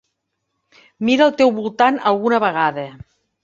Mira al teu voltant alguna vegada.